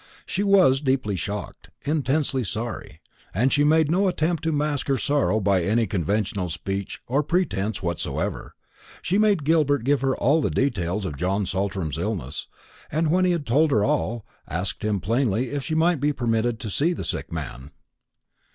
She was deeply shocked, intensely sorry; and she made no attempt to mask her sorrow by any conventional speech or pretence whatsoever. She made Gilbert give her all the details of John Saltram's illness, and when he had told her all, asked him plainly if she might be permitted to see the sick man.